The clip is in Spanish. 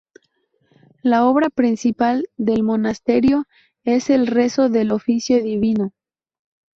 La obra principal del monasterio es el rezo del Oficio Divino.